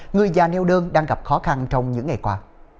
người già neo đơn đang gặp khó khăn trong những ngày qua